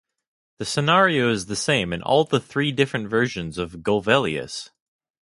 The scenario is the same in all the three different versions of "Golvellius".